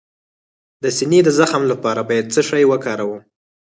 د سینې د زخم لپاره باید څه شی وکاروم؟